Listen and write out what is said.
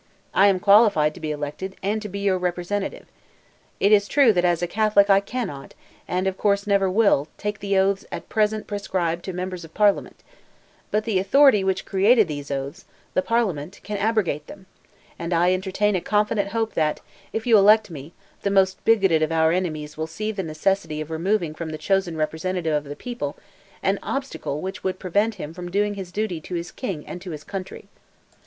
I am qualified to be elected, and to be your representative. It is true that as a Catholic I cannot, and of course never will, take the oaths at present prescribed to members of Parliament; but the authority which created these oaths (the Parliament), can abrogate them: and I entertain a confident hope that, if you elect me, the most bigoted of our enemies will see the necessity of removing from the chosen representative of the people an obstacle which would prevent him from doing his duty to his king and to his country."